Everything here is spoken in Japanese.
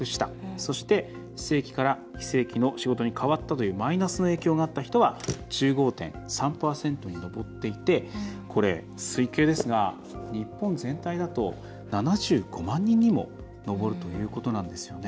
そして、正規から非正規の仕事に変わったというマイナスな影響があった人は１５．３％に上っていてこれは推計ですが日本全体だと７５万人にも上るということなんですよね。